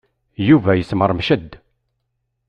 Yuba yesmeṛmec-d.